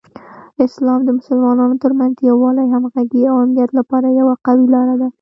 اسلام د مسلمانانو ترمنځ د یووالي، همغږۍ، او امنیت لپاره یوه قوي لاره ده.